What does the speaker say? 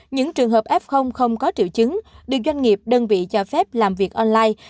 những trường hợp f không có triệu chứng được doanh nghiệp đơn vị cho phép làm việc online